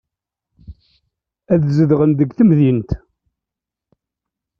Ad tzedɣem deg temdint.